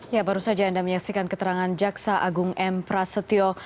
ya baru saja anda menyaksikan keterangan jaksa agung m prasetyo